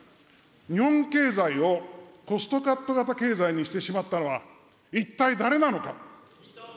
日本経済をコストカット型経済にしてしまったのは、一体誰なのか。